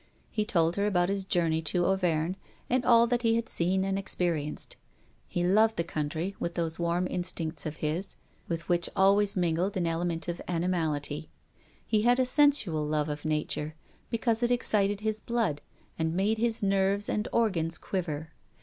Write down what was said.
He told her about his journey to Auvergne, and all that he had seen and experienced. He loved the country, with those warm instincts of his, with which always mingled an element of animality. He had a sensual love of nature because it excited his blood, and made his nerves and organs quiver.